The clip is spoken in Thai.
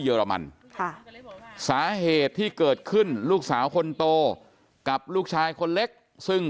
เรมันค่ะสาเหตุที่เกิดขึ้นลูกสาวคนโตกับลูกชายคนเล็กซึ่ง